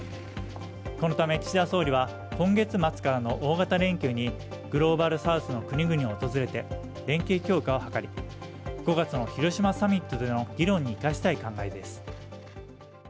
このため岸田総理は今月末からの大型連休にグローバルサウスの国々を訪れて連携強化を図り５月の広島サミットでの議論に生かしたい考えです。